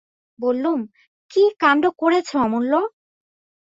বললুম, কী কাণ্ড করেছ অমূল্য?